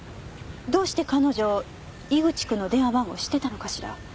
どうして彼女井口君の電話番号を知ってたのかしら？